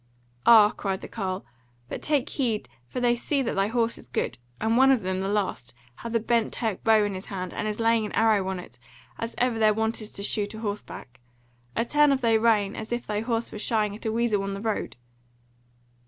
"Ah," cried the carle! "but take heed, for they see that thy horse is good, and one of them, the last, hath a bent Turk bow in his hand, and is laying an arrow on it; as ever their wont is to shoot a horseback: a turn of thy rein, as if thine horse were shying at a weasel on the road!"